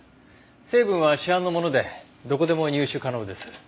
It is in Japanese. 成分は市販のものでどこでも入手可能です。